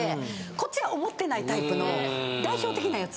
こっちは思ってないタイプの代表的なやつ。